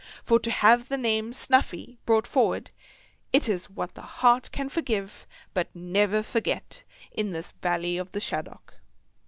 For to have the name "Snuffey" brought forward it is what the heart can forgive, but never forget in this valley of the shaddock.